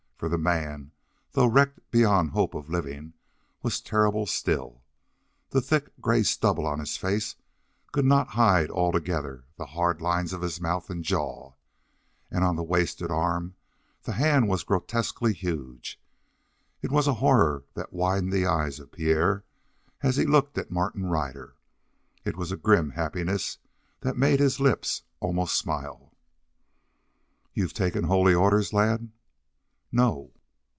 For the man, though wrecked beyond hope of living, was terrible still. The thick, gray stubble on his face could not hide altogether the hard lines of mouth and jaw, and on the wasted arm the hand was grotesquely huge. It was horror that widened the eyes of Pierre as he looked at Martin Ryder; it was a grim happiness that made his lips almost smile. "You've taken holy orders, lad?" "No."